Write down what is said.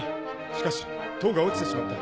しかし塔が落ちてしまった。